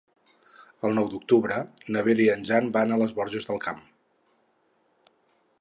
El nou d'octubre na Vera i en Jan van a les Borges del Camp.